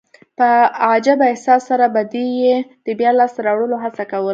په عجبه احساس سره به دي يي د بیا لاسته راوړلو هڅه کول.